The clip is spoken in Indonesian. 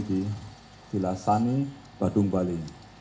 di vilassani badung bali